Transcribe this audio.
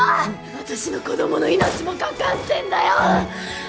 私の子供の命もかかってんだよ！